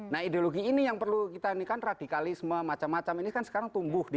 nah ideologi ini yang perlu kita ini kan radikalisme macam macam ini kan sekarang tumbuh